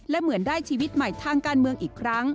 และเหมือนได้ชีวิตใหม่ทางการเมืองอีกครั้ง